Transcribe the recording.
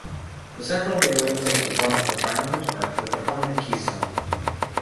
The central gateway takes the form of a triumphal arch with a prominent keystone.